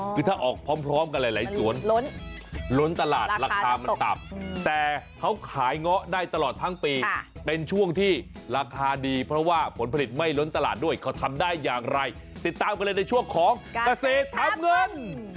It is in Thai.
คือถ้าออกพร้อมกันหลายสวนล้นตลาดราคามันต่ำแต่เขาขายเงาะได้ตลอดทั้งปีเป็นช่วงที่ราคาดีเพราะว่าผลผลิตไม่ล้นตลาดด้วยเขาทำได้อย่างไรติดตามกันเลยในช่วงของเกษตรทำเงิน